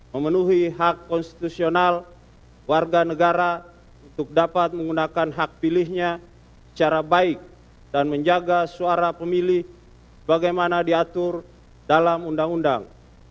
memenuhi hak konstitusional warga negara untuk dapat menggunakan hak pilihnya secara baik dan menjaga suara pemilih bagaimana diatur dalam undang undang